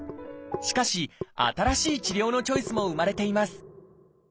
しかし新しい治療のチョイスも生まれています